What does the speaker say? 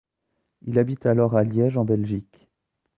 Il habite alors à Liège en Belgique.